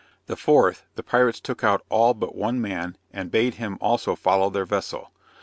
The fourth, the pirates took out all but one man and bade him also follow their vessel.